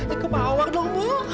itu power dong bu